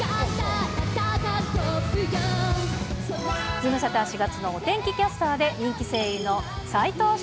ズムサタ４月のお天気キャスターで、人気声優の斉藤朱